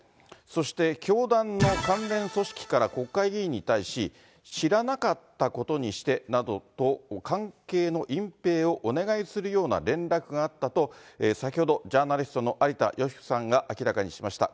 そして教団の関連組織から国会議員に対し、知らなかったことにしてなどと関係の隠ぺいをお願いするような連絡があったと、先ほど、ジャーナリストの有田芳生さんが明らかにしました。